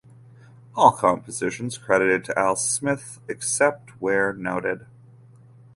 All compositions credited to Al Smith except where noted